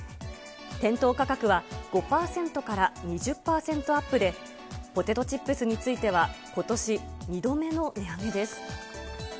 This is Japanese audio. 店頭価格は５％から２０％アップで、ポテトチップスについては、ことし２度目の値上げです。